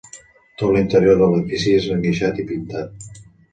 Tot l'interior de l'edifici és enguixat i pintat.